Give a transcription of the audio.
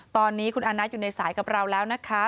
ตอนนี้คุณอานัทอยู่ในสายกับเราแล้วนะคะ